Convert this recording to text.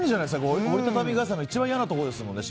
折り畳み傘の一番嫌なところですよね